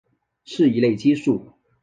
是一类激素。